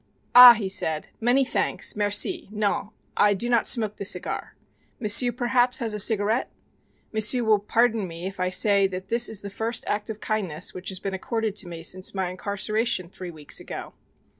"Ah," he said, "many thanks, merci, non, I do not smoke the cigar. M'sieu' perhaps has a cigarette? M'sieu' will pardon me if I say that this is the first act of kindness which has been accorded to me since my incarceration three weeks ago."